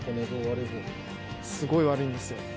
すごい悪いんですよ。